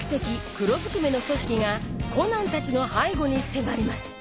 黒ずくめの組織がコナンたちの背後に迫ります